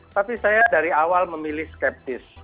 tapi saya dari awal memilih skeptis